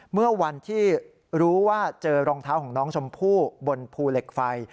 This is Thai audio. เมื่อวันที่รู้ว่าเจอรองเท้าของน้องชมพู่บนภูเหล็กไฟ